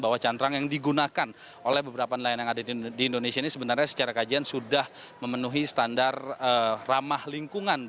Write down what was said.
bahwa cantrang yang digunakan oleh beberapa nelayan yang ada di indonesia ini sebenarnya secara kajian sudah memenuhi standar ramah lingkungan